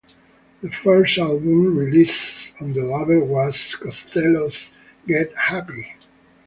The first album released on the label was Costello's Get Happy!!